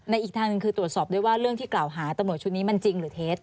อีกทางหนึ่งคือตรวจสอบด้วยว่าเรื่องที่กล่าวหาตำรวจชุดนี้มันจริงหรือเท็จ